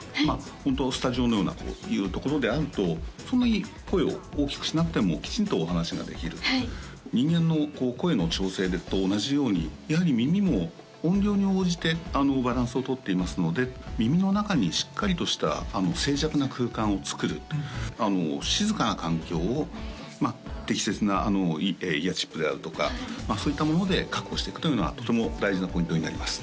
ホントスタジオのようなこういうところであるとそんなに声を大きくしなくてもきちんとお話しができる人間の声の調整と同じようにやはり耳も音量に応じてバランスをとっていますので耳の中にしっかりとした静寂な空間をつくると静かな環境を適切なイヤチップであるとかまあそういったもので確保していくというのはとても大事なポイントになります